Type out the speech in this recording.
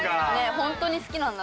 本当に好きなんだな。